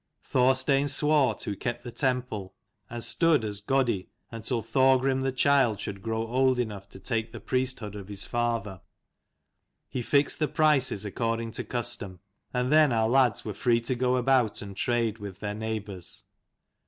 Thorstein Swart, who kept the temple, and stood as Godi until Thorgrim the child should grow old enough to take the priesthood of his father, he fixed the prices, according to custom ; and then our lads were free to go about and trade with their neighbours.